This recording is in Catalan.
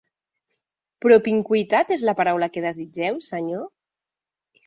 "Propinqüitat" és la paraula que desitgeu, senyor?